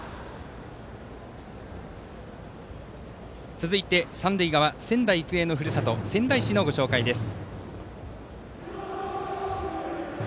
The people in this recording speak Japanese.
続いて三塁側仙台育英のふるさと仙台市のご紹介です。